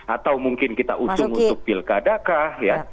atau mungkin kita usung untuk pilkada kah ya